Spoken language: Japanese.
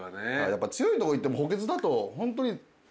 やっぱ強いとこいっても補欠だとホントに。